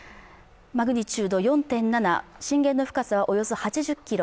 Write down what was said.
マグニチュード４．７震源の深さはおよそ８０ｋｍ。